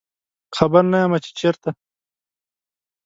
خبر نه یمه چې چیرته